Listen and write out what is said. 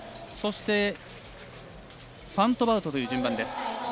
そして、ファントバウトという順番です。